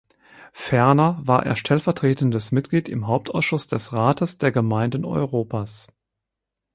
Ferner war er stellvertretendes Mitglied im Hauptausschuss des Rates der Gemeinden Europas.